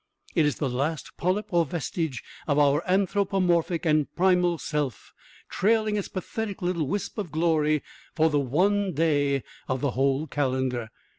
It is the last polyp or vestige of our anthropomorphic and primal self, trailing its pathetic little wisp of glory for the one day of the whole calendar.